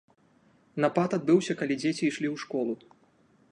Напад адбыўся, калі дзеці ішлі ў школу.